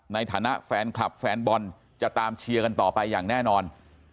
ในฐานะแฟนคลับแฟนบอลจะตามเชียร์กันต่อไปอย่างแน่นอน